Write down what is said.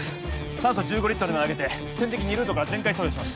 酸素１５リットルまで上げて点滴２ルートから全開投与します